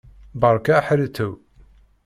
Beṛka aḥriṭṭew!